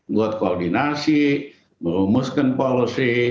buat koordinasi merumuskan policy